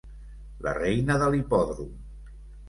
La reina de l'hipòdrom.